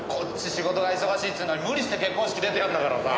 仕事が忙しいっつうのに無理して結婚式出てやるんだからさ。